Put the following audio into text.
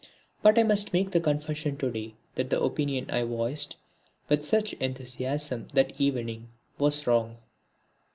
But I must make the confession to day that the opinion I voiced with such enthusiasm that evening was wrong.